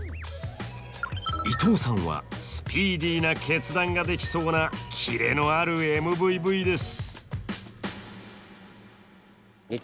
伊藤さんはスピーディーな決断ができそうなキレのあるＭＶＶです。